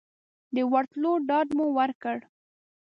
د ورتلو ډاډ مو ورکړ.